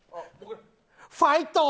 ファイト。